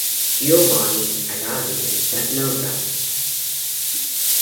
Giovanni Agazzi and Stefano Grapnels.